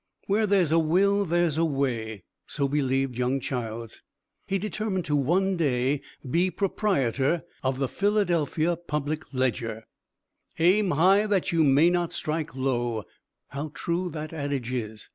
"Where there's a will there's a way," so believed young Childs. He determined to one day be proprietor of the Philadelphia Public Ledger. "Aim high that you may not strike low," how true that adage is.